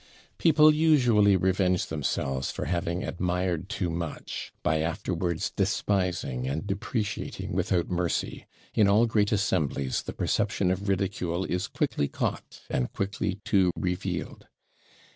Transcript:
People usually revenge themselves for having admired too much, by afterwards despising and depreciating without mercy in all great assemblies the perception of ridicule is quickly caught, and quickly too revealed.